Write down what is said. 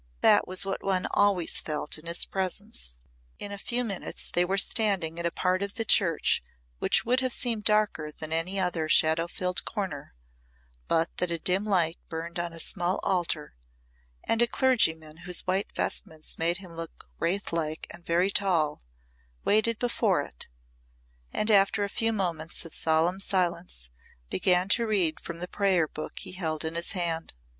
That was what one always felt in his presence. In a few minutes they were standing in a part of the church which would have seemed darker than any other shadow filled corner but that a dim light burned on a small altar and a clergyman whose white vestments made him look wraithlike and very tall waited before it and after a few moments of solemn silence began to read from the prayer book he held in his hand.